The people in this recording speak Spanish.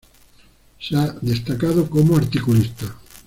Se ha destacado como articulista.